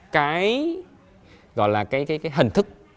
cái gọi là cái hình thức